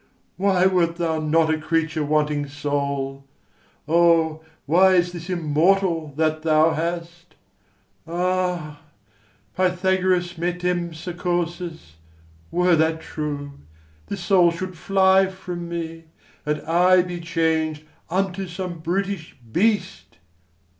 Why wert thou not a creature wanting soul? Or why is this immortal that thou hast? Ah, Pythagoras' metempsychosis, were that true, This soul should fly from me, and I be chang'd Unto some brutish beast!